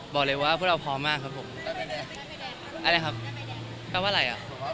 พี่พูดว่าไง